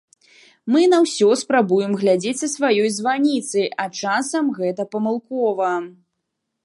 Мы на ўсё спрабуем глядзець са сваёй званіцы, а часам гэта памылкова.